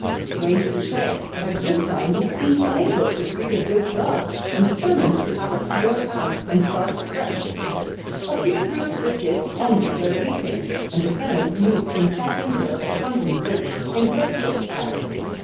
Strange to say, at this time he seemed unable to breed a good dog, and determined to have a clear out and start afresh. A few brood bitches only were retained, and the kennels moved from Champion Hill to Hunton Bridge, in Hertfordshire.